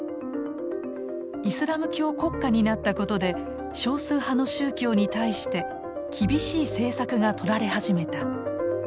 イスラム教国家になったことで少数派の宗教に対して厳しい政策がとられ始めた。